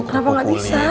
kenapa gak bisa